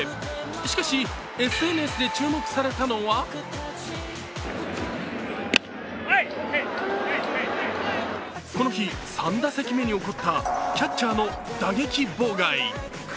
しかしＳＮＳで注目されたのはこの日、３打席目に起こったキャッチャーの打撃妨害。